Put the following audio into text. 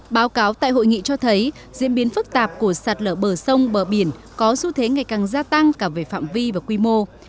báo cáo tại hội nghị cho thấy diễn biến phức tạp của sạt lở bờ sông bờ biển có xu thế ngày càng gia tăng cả về phạm vi và quy mô